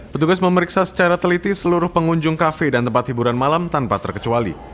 petugas memeriksa secara teliti seluruh pengunjung kafe dan tempat hiburan malam tanpa terkecuali